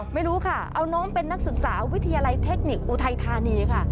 ไม่รู้ค่ะเอาน้องเป็นนักศึกษาวิทยาลัยเทคนิคอุทัยธานีค่ะ